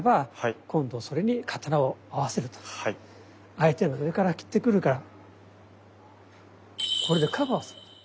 相手が上から斬ってくるからこれでカバーをすると。